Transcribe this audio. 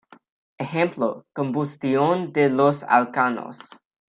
Ejemplo: Combustión de los alcanos.